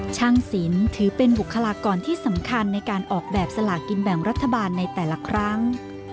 ช่างศิลป์ถือเป็นบุคลากรที่สำคัญในการออกแบบสลากินแบ่งรัฐบาลในแต่ละครั้ง